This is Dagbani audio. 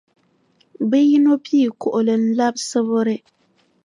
Bɛ yino pii kuɣili n-labi Sibiri.